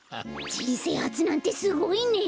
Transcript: じんせいはつなんてすごいね！